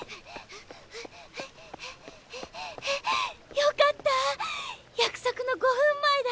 よかった約束の５分前だ。